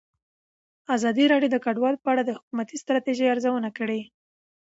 ازادي راډیو د کډوال په اړه د حکومتي ستراتیژۍ ارزونه کړې.